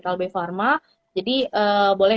kalbe pharma jadi boleh